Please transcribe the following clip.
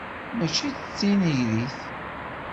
Mačči d tineɣrit.